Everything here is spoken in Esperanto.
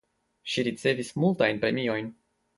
Ŝi ricevis multajn premiojn.